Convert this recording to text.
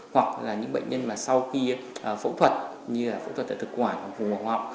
hoặc là những bệnh nhân mà sau khi phẫu thuật như là phẫu thuật ở thực quả vùng hầu họng